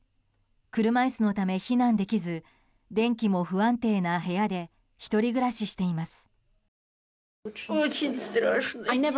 車椅子のため避難できず電気も不安定な部屋で１人暮らししています。